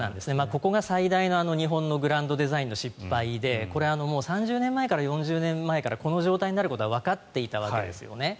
ここが最大の日本のグランドデザインの失敗でこれは３０年前から４０年前からこの状態になるのはわかっていたわけですね。